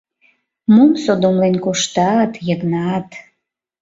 — Мом содомлен коштат, Йыгнат?